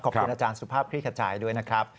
ขอบคุณอาจารย์สุภาพคลี่ขจายด้วยนะครับ